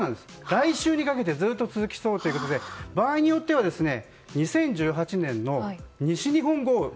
来週にかけてずっと続きそうということで場合によっては２０１８年の西日本豪雨。